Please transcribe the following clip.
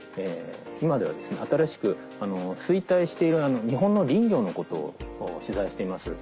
今では新しく衰退している日本の林業のことを取材しています。